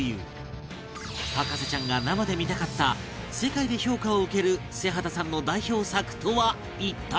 博士ちゃんが生で見たかった世界で評価を受ける瀬畑さんの代表作とは一体？